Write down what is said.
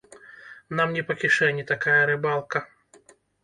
Нам не па кішэні такая рыбалка.